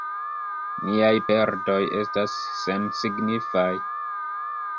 Niaj perdoj estas sensignifaj.